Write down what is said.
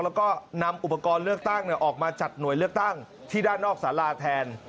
แล้วก็นำอุปกรณ์เลือกตั้งออกมาจัดหน่วยเลือกตั้งที่ด้านนอกสาราแทน